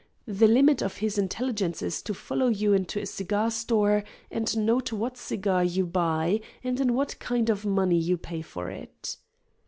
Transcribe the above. The limit of his intelligence is to follow you into a cigar store and note what cigar you buy, and in what kind of money you pay for it.